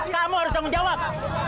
kamu harus tanggung jawab